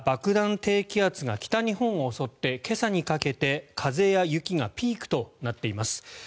低気圧が、北日本を襲って今朝にかけて風や雪がピークとなっています。